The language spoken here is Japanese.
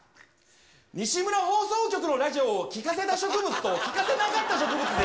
西村放送局のラジオを聞かせた植物と聞かせなかった植物です。